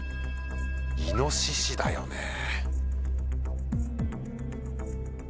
イノシシだよねぇ。